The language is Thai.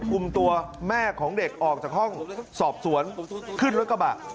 คุมตัวแม่ของเด็กออกจากห้องสอบสวนขึ้นรถกระบะ